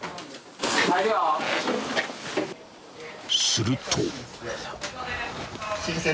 ［すると］